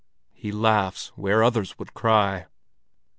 He laughs where others would cry."